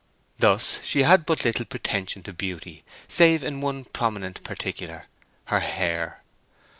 Thus she had but little pretension to beauty, save in one prominent particular—her hair.